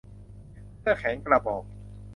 เสื้อแขนกระบอก